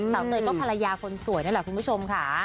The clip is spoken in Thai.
เตยก็ภรรยาคนสวยนั่นแหละคุณผู้ชมค่ะ